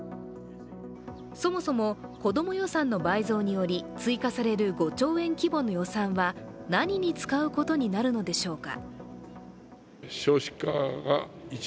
そもそも、子供予算の倍増により追加される５兆円規模の予算は何に使うことになるのでしょうか。